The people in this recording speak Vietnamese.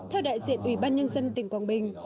theo đại diện ubnd tỉnh quảng bình